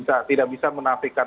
patrick berkata bahwa